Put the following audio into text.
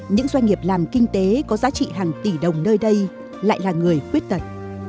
những doanh nghiệp làm kinh tế có giá trị hàng tỷ đồng nơi đây lại là người khuyết tật